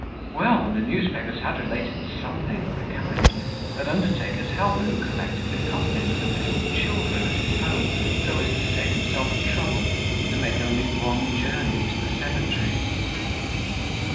Well! the newspapers had related something of the kind—an undertaker's helper who collected the coffins of little children at his home, so as to save himself trouble and to make only one journey to the cemetery.